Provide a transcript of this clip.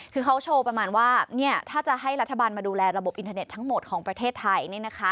คือเขาโชว์ประมาณว่าถ้าจะให้รัฐบาลมาดูแลระบบอินเทอร์เน็ตทั้งหมดของประเทศไทย